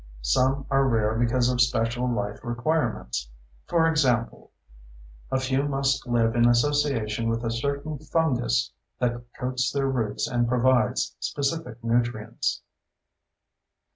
Some are rare because of special life requirements. For example, a few must live in association with a certain fungus that coats their roots and provides specific nutrients.